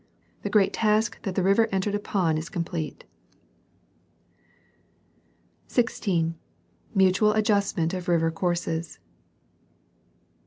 The great task that the river entered upon is completed. 16. Mutual adjustment of river courses.